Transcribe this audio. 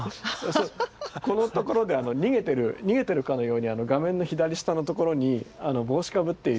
このところで逃げてる逃げてるかのように画面の左下のところに帽子かぶっている。